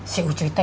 si ucuy teh